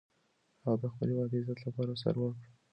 هغه د خپل هیواد د عزت لپاره سر ورکړ.